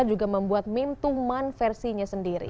juga membuat meme tuman versinya sendiri